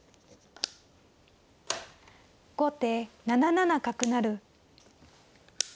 後手７七角成。